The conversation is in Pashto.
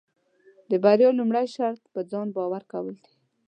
د بریا لومړی شرط پۀ ځان باور کول دي.